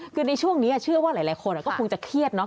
คือในช่วงนี้เชื่อว่าหลายคนก็คงจะเครียดเนาะ